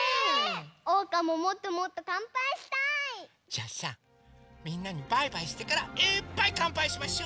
おうかももっともっとかんぱいしたい！じゃあさみんなにバイバイしてからいっぱいかんぱいしましょ！